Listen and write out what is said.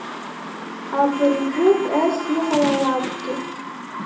Абыржәык ес-иҟалалакгьы…